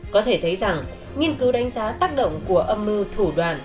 có thể thấy rằng nghiên cứu đánh giá tác động của âm mưu thủ đoàn